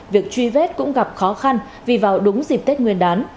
việc truy vết cũng gặp khó khăn vì vào đúng dịp tết nguyên đán